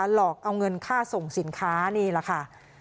หลอกเอาเงินค่าส่งสินค้านี่แหละค่ะ